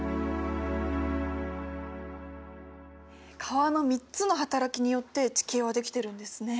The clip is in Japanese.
川の３つのはたらきによって地形はできてるんですね。